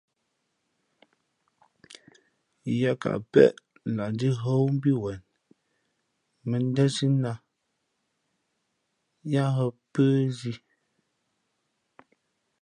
Yāā kαʼ péʼ lah ndíhᾱ wú mbí wen mᾱndēnsī nά ā yáá hᾱ pə́ zī.